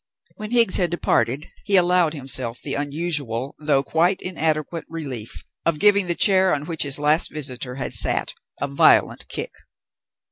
When Higgs had departed he allowed himself the unusual, though quite inadequate relief of giving the chair on which his last visitor had sat a violent kick.